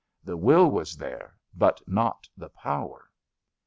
The will was there, but not the power.